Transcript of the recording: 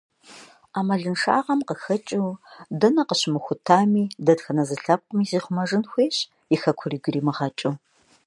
Ӏэмалыншагъэм къыхэкӏыу, дэнэ къыщымыхутами, дэтхэнэ зы лъэпкъми зихъумэжын хуейщ, и Хэкур игу иримыгъэкӏыу.